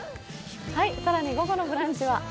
更に午後の「ブランチ」は？